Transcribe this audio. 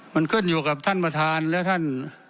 มันขึ้นอยู่กับท่านประธานและท่าน